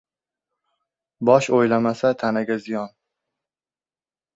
• Bosh o‘ylamasa, tanaga ziyon.